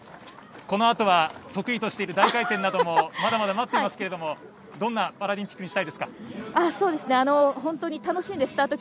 このあとは得意としている大回転などもまだまだ待っていますけどもどんなパラリンピックにしたいですか？